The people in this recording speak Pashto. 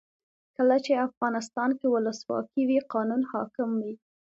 کله چې افغانستان کې ولسواکي وي قانون حاکم وي.